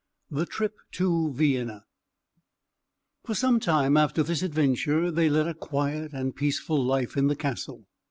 XV. THE TRIP TO VIENNA For some time after this adventure they led a quiet and peaceful life in the castle.